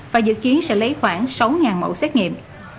và dự kiến sẽ lấy khoảng sáu mẫu xét nghiệm